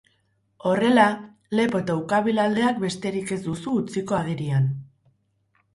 Horrela, lepo eta ukabil aldeak besterik ez duzu utziko agerian.